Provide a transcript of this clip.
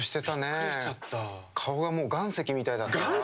顔がもう岩石みたいだったわ。